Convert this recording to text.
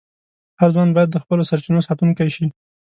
هر ځوان باید د خپلو سرچینو ساتونکی شي.